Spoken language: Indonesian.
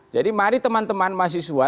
jadi mari teman teman mahasiswa